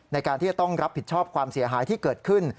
ในการที่จะต้องรับผิดชอบความเสียหายที่เกิดขึ้น